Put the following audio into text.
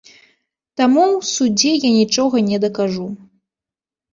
Таму ў судзе я нічога не дакажу.